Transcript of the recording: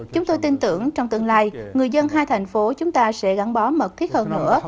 chúng tôi tin tưởng trong tương lai người dân hai thành phố chúng ta sẽ gắn bó mật thiết hơn nữa